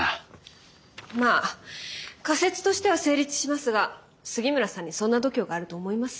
まあ仮説としては成立しますが杉村さんにそんな度胸があると思います？